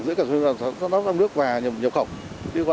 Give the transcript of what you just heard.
giữa sản xuất và lắp ráp trong nước và nhập khẩu